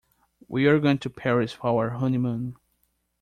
We're going to Paris for our honeymoon.